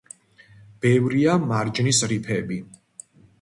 ბევრია მარჯნის რიფები.